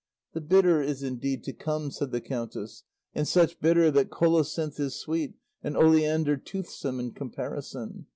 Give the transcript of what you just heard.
"The bitter is indeed to come," said the countess; "and such bitter that colocynth is sweet and oleander toothsome in comparison.